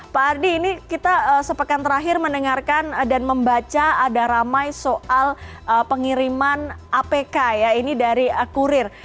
pak ardi ini kita sepekan terakhir mendengarkan dan membaca ada ramai soal pengiriman apk ya ini dari kurir